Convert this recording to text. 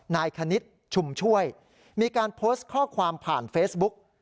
คณิตชุมช่วยมีการโพสต์ข้อความผ่านเฟซบุ๊ก